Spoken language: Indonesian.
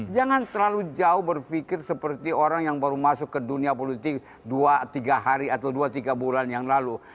jangan terlalu jauh berpikir seperti orang yang baru masuk ke dunia politik dua tiga hari atau dua tiga bulan yang lalu